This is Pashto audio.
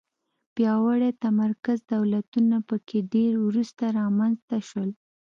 پیاوړي متمرکز دولتونه په کې ډېر وروسته رامنځته شول.